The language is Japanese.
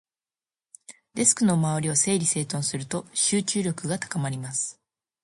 デスクの周りを整理整頓すると、集中力が高まります。